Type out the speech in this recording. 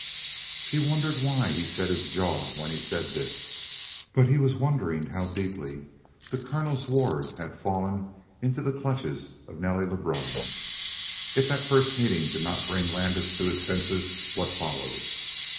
She wondered why he set his jaw when he said this, but he was wondering how deeply the colonel's ward had fallen into the clutches of Nelly Lebrun. If that first meeting did not bring Landis to his senses, what followed?